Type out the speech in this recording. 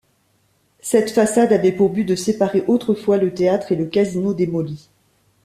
Cette façade avait pour but de séparer autrefois le théâtre et le casino démoli.